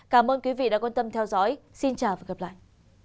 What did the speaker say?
cảm ơn quý vị đã quan tâm theo dõi xin chào và hẹn gặp lại